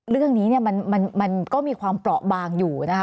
เรื่องนี้มันก็มีความเปราะบางอยู่นะคะ